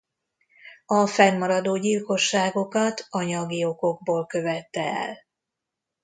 A fennmaradó gyilkosságokat anyagi okokból követte el.